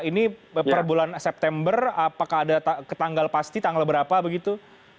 ini per bulan september apakah ada ketanggal pasti tanggal berapa begitu